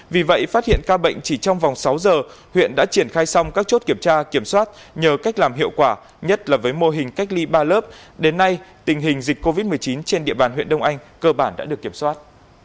vì vậy phát hiện ca bệnh chỉ trong vòng sáu giờ huyện đã triển khai xong các chốt kiểm tra kiểm soát nhờ cách làm hiệu quả nhất là với mô hình cách ly ba lớp đến nay tình hình dịch covid một mươi chín trên địa bàn huyện đông anh cơ bản đã được kiểm soát